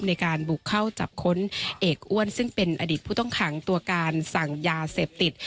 ในการบุกเข้าจับค้นเอกอ้วนซึ่งเป็นอดีตผู้ต้องขังตัวการสั่งยาเสพติด